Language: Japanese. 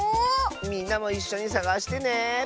みんなもいっしょにさがしてね！